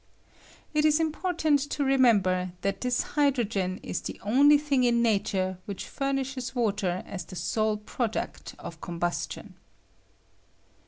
It is important to remember that this hydrogen is the only thing in nature which furnishes water as the sole product of combustion.